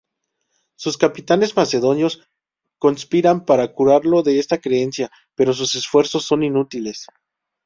Sus capitanes macedonios conspiran para curarlo de esta creencia, pero sus esfuerzos son inútiles.